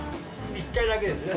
１回だけですね。